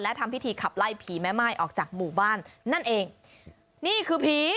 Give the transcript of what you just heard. และทำพิธีขับไล่ผีแม่ม่ายออกจากหมู่บ้านนั่นเองนี่คือผี